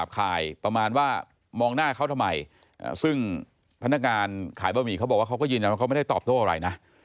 เขาไม่ได้ตอบโต๊ะอะไรนะ